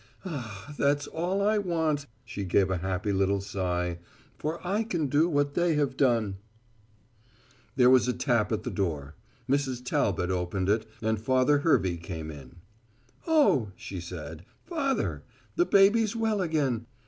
"Ah, that's all I want," she gave a happy little sigh, "for I can do what they have done." There was a tap at the door. Mrs. Talbot opened it and Father Hervey came in. "Oh," she said, "Father, the baby's well again.